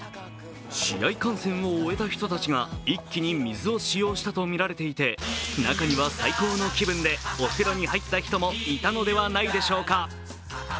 試合観戦を終えた人たちが一気に水を使用したとみられていて中には最高の気分でお風呂に入った人もいたのではないでしょうか。